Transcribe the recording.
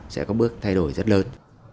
sẽ có bước thay đổi rất lớn